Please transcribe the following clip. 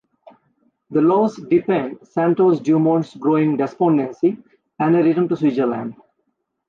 The loss deepened Santos-Dumont's growing despondency, and he returned to Switzerland.